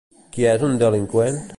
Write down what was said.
Qui és un delinqüent?